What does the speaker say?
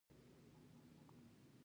دښمن د سولې مخالف وي